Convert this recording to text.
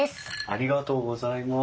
ありがとうございます。